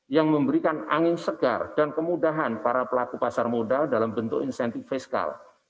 yang memberikan angin segar dan kemudahan para pelaku pasar modal dalam bentuk insentif fiskal